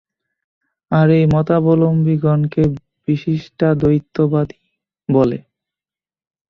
আর এই মতাবলম্বিগণকে বিশিষ্টাদ্বৈতবাদী বলে।